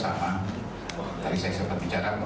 dari memang yang harus terhubungkan dengan dalam psikologi